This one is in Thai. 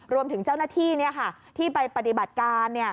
รวมถึงเจ้าหน้าที่ที่ไปปฏิบัติการ